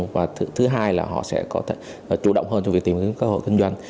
và thứ hai là họ sẽ có thể chủ động hơn trong việc tìm kiếm cơ hội kinh doanh